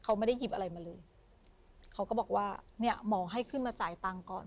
เขาไม่ได้หยิบอะไรมาเลยเขาก็บอกว่าเนี่ยหมอให้ขึ้นมาจ่ายตังค์ก่อน